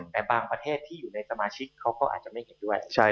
แต่บางประเทศที่อยู่ในสมาชิกเขาก็อาจจะไม่เห็นด้วย